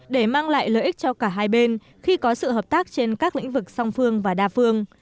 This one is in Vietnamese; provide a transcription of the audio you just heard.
để mang lại lợi ích cho cả hai bên khi có sự hợp tác trên các lĩnh vực song phương và đa phương